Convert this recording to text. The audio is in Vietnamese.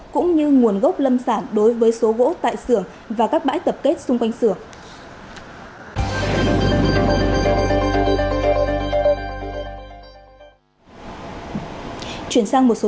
cũng như nguồn gốc lâm sản đối với số gỗ tại sửa và các bãi tập kết xung quanh xưởng